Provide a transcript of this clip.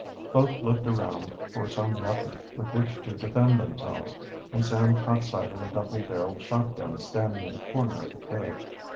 Both looked around for some weapon with which to defend themselves, and Sam caught sight of a double barreled shotgun standing in a corner of the cave.